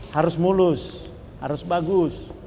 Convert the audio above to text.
harus mulus harus bagus